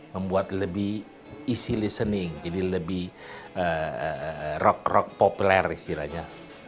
membuat lebih easy listening jadi lebih rok rok populer istilahnya